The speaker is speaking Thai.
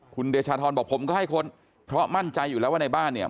คุณเดชาธรบอกผมก็ให้ค้นเพราะมั่นใจอยู่แล้วว่าในบ้านเนี่ย